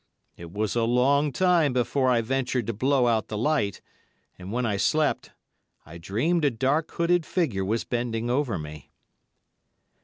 It was a long time before I ventured to blow out the light, and, when I slept, I dreamed a dark, hooded figure was bending over me.